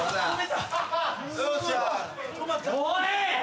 あれ？